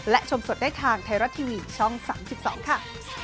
และชมสดได้ทางไทยรัฐทีวีช่อง๓๒ค่ะ